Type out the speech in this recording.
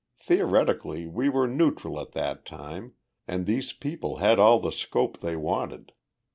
Theoretically, we were neutral at that time and these people had all the scope they wanted.